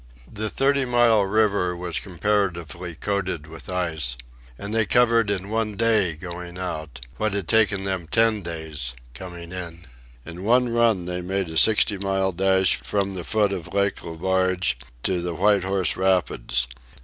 The Thirty Mile River was comparatively coated with ice, and they covered in one day going out what had taken them ten days coming in. In one run they made a sixty mile dash from the foot of Lake Le Barge to the White Horse Rapids.